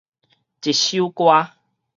一首歌